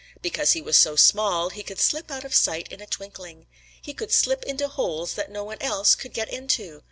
Because he was so small, he could slip out of sight in a twinkling. He could slip into holes that no one else could get into.